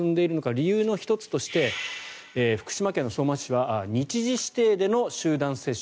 理由の１つとして福島県相馬市は日時指定での集団接種。